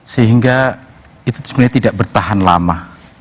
sehingga itu sebenarnya tidak bertahan lama